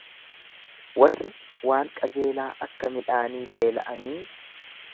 Warri waan qajeelaa akka midhaanii beela'anii,